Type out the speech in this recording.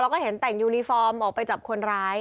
แล้วก็เห็นแต่งยูนิฟอร์มออกไปจับคนร้าย